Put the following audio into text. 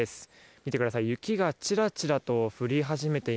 見てください。